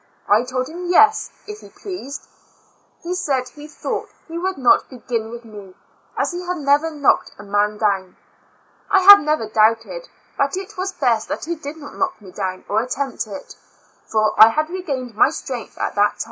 I told him yes, if he pleased. He said he thought he would not begin with me, as he had never knocked a man down. I have never doubted but it wap" best that he did not knock me down, or attempt it, for I had regained my strength at that time.